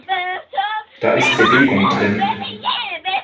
Da ist Bewegung drin!